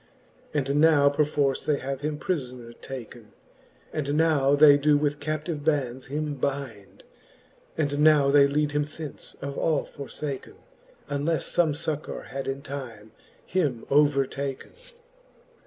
And now perforce they have him prifoner taken ; And now they doe with captive bands him bind ; And now they lead him thence, of all forfaken, UnlelTe fbme fuccour had in time him overtaken.